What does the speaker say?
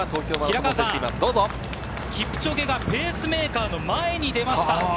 キプチョゲがペースメーカーの前に出ました。